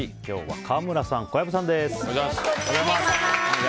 今日は川村さん、小籔さんです。